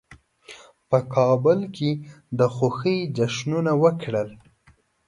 په کابل کې د خوښۍ جشنونه وکړل.